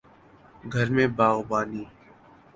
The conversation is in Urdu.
گھر میں باغبانی